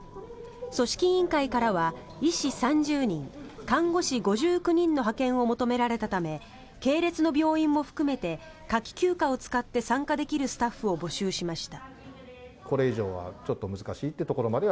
組織委員会からは医師３０人看護師５９人の派遣を求められたため系列の病院も含めて夏季休暇を使って参加できるスタッフを募集しました。